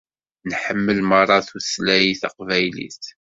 Nḥemmel meṛṛa tutalyt taqbaylit.